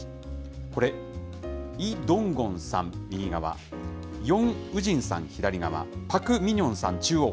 これ、イ・ドンゴンさん、右側、ヨン・ウジンさん、左側、パク・ミニョンさん中央。